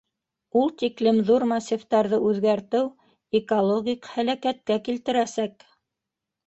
Ул тиклем ҙур массивтарҙы үҙгәртеү экологик һәләкәткә килтерәсәк.